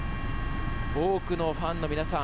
多くのファンの皆さん